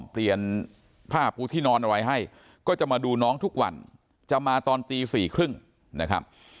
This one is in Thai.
เปลี่ยนผ้าปูที่นอนอะไรให้ก็จะมาดูน้องทุกวันจะมาตอนตี๔๓๐นะครับ